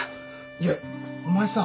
いやお前さ